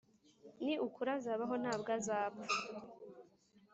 ni ukuri azabaho ntabwo azapfa